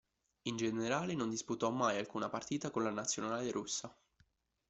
In generale non disputò mai alcuna partita con la Nazionale russa.